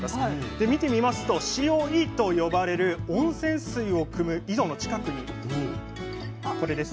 で見てみますと塩井と呼ばれる温泉水をくむ井戸の近くにこれです。